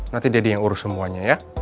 nanti deddy yang urus semuanya ya